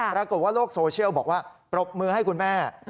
ปรากฏว่าโลกโซเชียลบอกว่าปรบมือให้คุณแม่